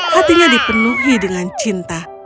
hatinya dipenuhi dengan cinta